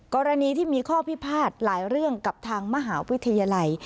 กรณีที่มีข้อพิพาทหลายเรื่องกับทางมหาวิทยาลัย